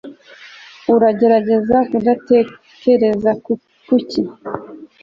uragerageza kudatekereza kuki